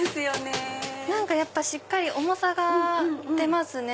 やっぱしっかり重さが出ますね。